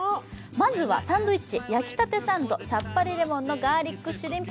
まずはサンドイッチ、焼きたてサンド、さっぱりレモンのガーリックシュリンプ。